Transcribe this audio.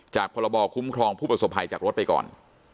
พรบคุ้มครองผู้ประสบภัยจากรถไปก่อน